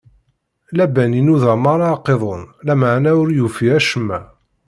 Laban inuda meṛṛa aqiḍun, lameɛna ur yufi acemma.